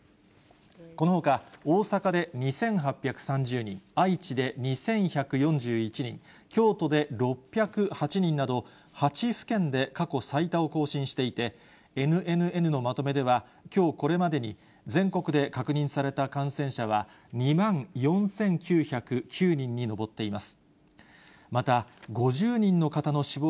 このほか、大阪で２８３０人、愛知で２１４１人、京都で６０８人など、８府県で過去最多を更新していて、ＮＮＮのまとめでは、きょうこれまでに全国で確認された感染者は、２万４９０９人に上っています。